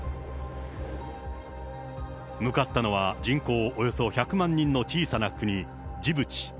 向かったのは人口およそ１００万人の小さな国、ジブチ。